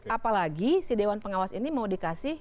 apalagi si dewan pengawas ini mau dikasih